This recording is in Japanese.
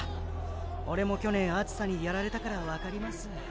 オレも去年暑さにやられたから分かります。